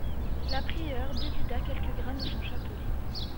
La prieure dévida quelques grains de son chapelet.